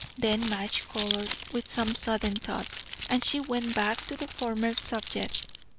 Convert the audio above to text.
Then Madge coloured, with some sudden thought, and she went back to the former subject.